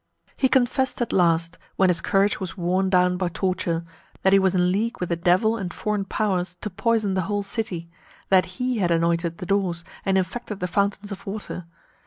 He confessed at last, when his courage was worn down by torture, that he was in league with the Devil and foreign powers to poison the whole city; that he had anointed the doors, and infected the fountains of water.